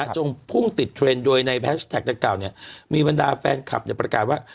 พุ่งติดเทรนด์โดยในแฮชแท็กดังกล่าวมีบรรดาแฟนคลับประกาศว่า